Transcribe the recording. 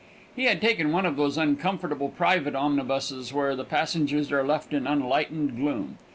He had taken one of those uncomfortable private omnibuses, where the passengers are left in unlightened gloom.